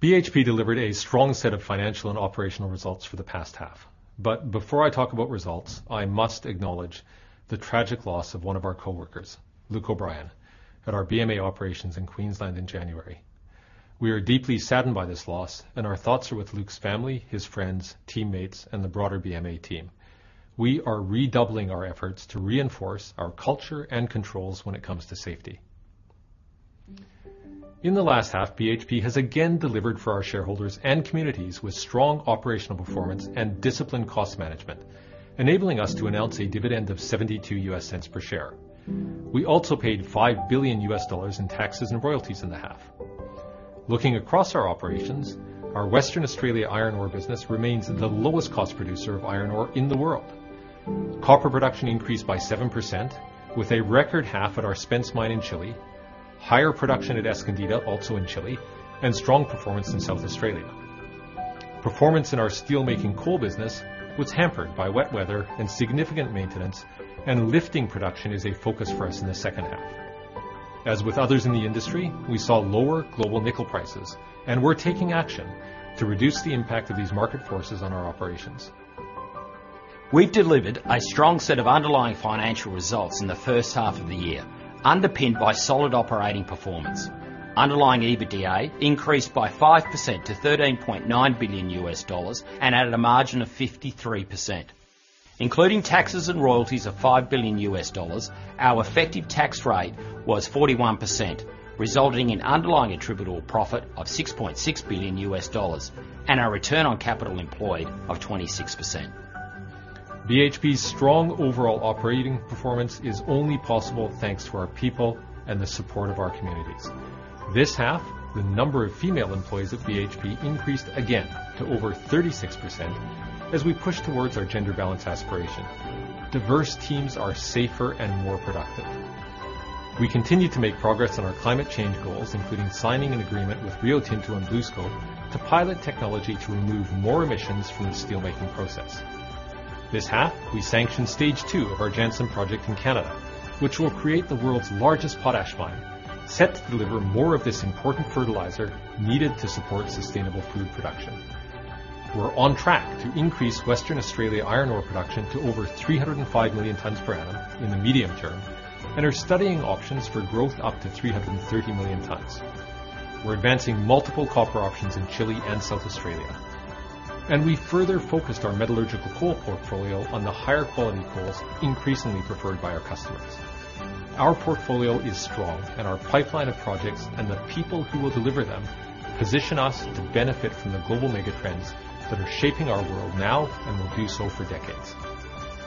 BHP delivered a strong set of financial and operational results for the past half. But before I talk about results, I must acknowledge the tragic loss of one of our coworkers, Luke O'Brien, at our BMA operations in Queensland in January. We are deeply saddened by this loss, and our thoughts are with Luke's family, his friends, teammates, and the broader BMA team. We are redoubling our efforts to reinforce our culture and controls when it comes to safety. In the last half, BHP has again delivered for our shareholders and communities with strong operational performance and disciplined cost management, enabling us to announce a dividend of $0.72 per share. We also paid $5 billion in taxes and royalties in the half. Looking across our operations, our Western Australia iron ore business remains the lowest cost producer of iron ore in the world. Copper production increased by 7%, with a record half at our Spence mine in Chile, higher production at Escondida also in Chile, and strong performance in South Australia. Performance in our steelmaking coal business was hampered by wet weather and significant maintenance, and lifting production is a focus for us in the second half. As with others in the industry, we saw lower global nickel prices, and we're taking action to reduce the impact of these market forces on our operations. We've delivered a strong set of underlying financial results in the first half of the year, underpinned by solid operating performance. Underlying EBITDA increased by 5% to $13.9 billion and at a margin of 53%. Including taxes and royalties of $5 billion, our effective tax rate was 41%, resulting in underlying attributable profit of $6.6 billion and a return on capital employed of 26%. BHP's strong overall operating performance is only possible thanks to our people and the support of our communities. This half, the number of female employees at BHP increased again to over 36% as we push towards our gender balance aspiration. Diverse teams are safer and more productive. We continue to make progress on our climate change goals, including signing an agreement with Rio Tinto and BlueScope to pilot technology to remove more emissions from the steelmaking process. This half, we sanctioned stage two of our Jansen project in Canada, which will create the world's largest potash mine, set to deliver more of this important fertilizer needed to support sustainable food production. We're on track to increase Western Australia iron ore production to over 305 million tonnes per annum in the medium term, and are studying options for growth up to 330 million tonnes. We're advancing multiple copper options in Chile and South Australia. We further focused our metallurgical coal portfolio on the higher quality coals increasingly preferred by our customers. Our portfolio is strong, and our pipeline of projects and the people who will deliver them position us to benefit from the global megatrends that are shaping our world now and will do so for decades.